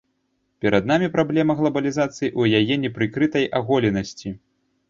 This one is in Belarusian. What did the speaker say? Перад намі праблема глабалізацыі ў яе непрыкрытай аголенасці.